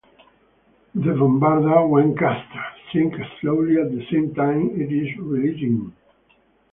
The bombarda when cast, sinks slowly, at the same time, it is reeled in.